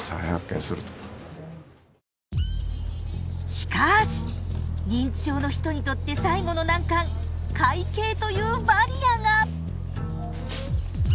しかし認知症の人にとって最後の難関会計というバリアが！